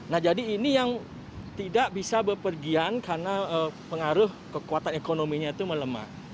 nah jadi ini yang tidak bisa berpergian karena pengaruh kekuatan ekonominya itu melemah